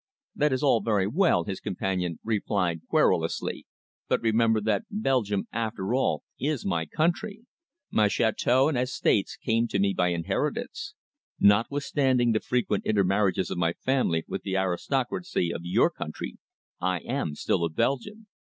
"That is all very well," his companion replied querulously, "but remember that Belgium, after all, is my country. My château and estates came to me by inheritance. Notwithstanding the frequent intermarriages of my family with the aristocracy of your country, I am still a Belgian."